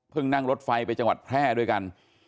นั่งรถไฟไปจังหวัดแพร่ด้วยกัน